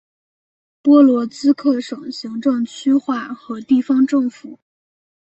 波罗兹克省行政区划和地方政府。